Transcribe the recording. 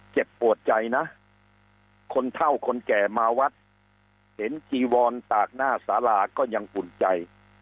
เจ็บปวดใจนะคนเท่าคนแก่มาวัดเห็นจีวอนตากหน้าสาราก็ยังอุ่นใจ